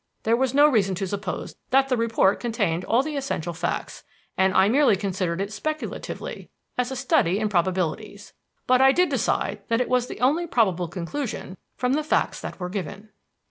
There was no reason to suppose that the report contained all the essential facts, and I merely considered it speculatively as a study in probabilities. But I did decide that that was the only probable conclusion from the facts that were given.